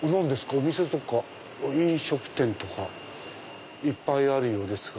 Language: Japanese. お店とか飲食店とかいっぱいあるようですが。